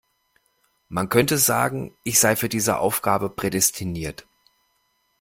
Man könnte sagen, ich sei für diese Aufgabe prädestiniert.